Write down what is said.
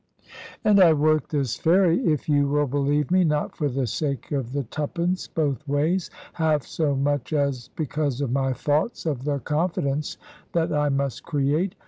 And I worked this ferry, if you will believe me, not for the sake of the twopence both ways, half so much as because of my thoughts of the confidence that I must create.